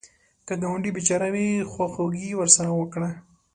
که ګاونډی بېچاره وي، خواخوږي ورسره وکړه